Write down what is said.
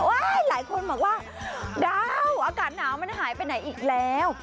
หลายคนบอกว่าดาวอากาศหนาวมันหายไปไหนอีกแล้ว